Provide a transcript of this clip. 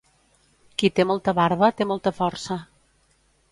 Qui té molta barba, té molta força.